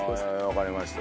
わかりました。